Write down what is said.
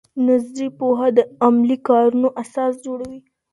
نظري پوهه د عملي کارونو اساس جوړوي.